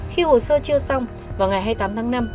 khi hồ sơ chưa xong vào ngày hai mươi tám tháng một mươi hai